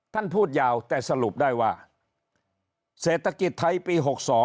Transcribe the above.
ท่านพูดยาวแต่สรุปได้ว่าเศรษฐกิจไทยปี๖๒